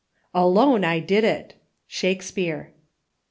Alone I did it." — Shakspeare.